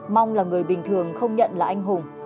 mong là người bình thường không nhận là anh hùng